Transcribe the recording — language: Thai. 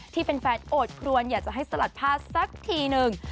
ที่แฟนโอดครวนอยากจะให้สลัดผ้าสักทีหนึ่ง